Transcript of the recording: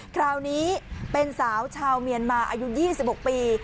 คราวนี้เป็นสาวชาวเมียนมาอายุ๒๖ปี